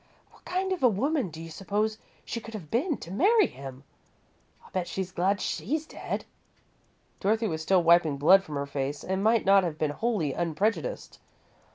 "What kind of a woman do you suppose she could have been, to marry him? I'll bet she's glad she's dead!" Dorothy was still wiping blood from her face and might not have been wholly unprejudiced.